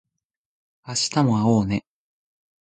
明日も会おうね